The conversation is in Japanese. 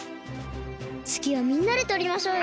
つぎはみんなでとりましょうよ。